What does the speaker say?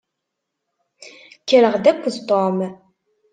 Kkreɣ-d akked Tom.